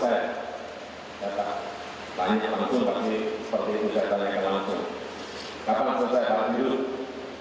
kapan selesai para tidur